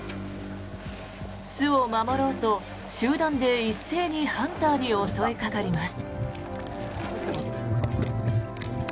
巣を守ろうと集団で一斉にハンターに襲いかかります。